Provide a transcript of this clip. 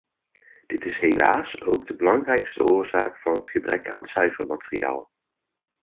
Dit is helaas ook de belangrijkste oorzaak van het gebrek aan cijfermateriaal.